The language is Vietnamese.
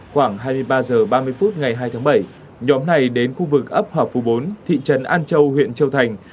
khoảng hai mươi ba h ba mươi phút ngày hai tháng bảy nhóm này đến khu vực ấp hòa phú bốn thị trấn an châu huyện châu thành